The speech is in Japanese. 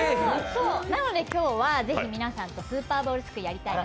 なので今日はぜひ皆さんとスーパーボールすくいやりたい。